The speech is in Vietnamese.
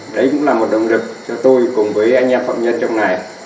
đấy cũng là một động lực cho tôi cùng với anh em phạm nhân trong ngày